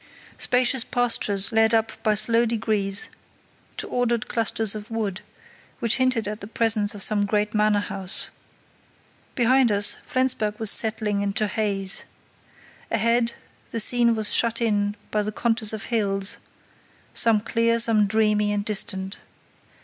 Spacious pastures led up by slow degrees to ordered clusters of wood, which hinted at the presence of some great manor house. Behind us, Flensburg was settling into haze. Ahead, the scene was shut in by the contours of hills, some clear, some dreamy and distant.